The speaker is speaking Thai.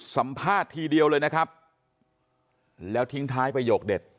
สัมภาษณ์ทีเดียวเลยนะครับแล้วทิ้งท้ายประโยคเด็ด